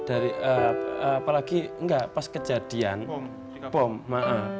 apalagi pas kejadian bom